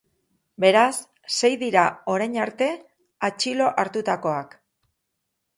Beraz, sei dira orain arte atxilo hartutakoak.